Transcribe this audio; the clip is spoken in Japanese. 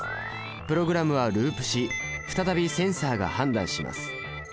プログラムはループし再びセンサが判断します。